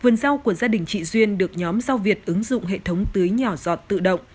vườn rau của gia đình chị duyên được nhóm rau việt ứng dụng hệ thống tưới nhỏ giọt tự động